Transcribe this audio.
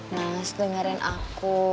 mas dengerin aku